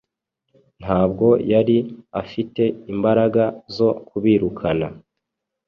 ntabwo yari afite imbaraga zo kubirukana